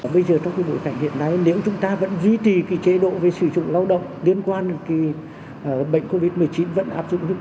bây giờ trong cái bối cảnh hiện nay nếu chúng ta vẫn duy trì cái chế độ về sử dụng lao động liên quan đến cái bệnh covid một mươi chín vẫn áp dụng